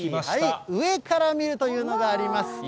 上から見るというのがあります。